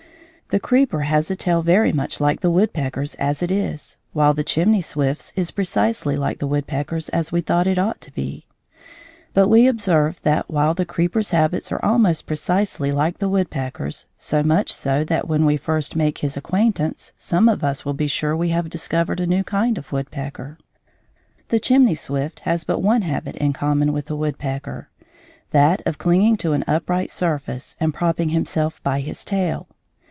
The creeper has a tail very much like the woodpecker's as it is; while the chimney swift's is precisely like the woodpecker's as we thought it ought to be. But we observe that while the creeper's habits are almost precisely like the woodpecker's, so much so that when we first make his acquaintance, some of us will be sure we have discovered a new kind of woodpecker, the chimney swift has but one habit in common with the woodpecker, that of clinging to an upright surface and propping himself by his tail.